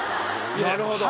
なるほど。